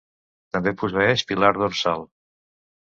També posseeix pilar dorsal.